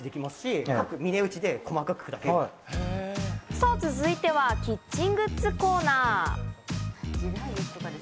さぁ続いては、キッチングッズコーナー。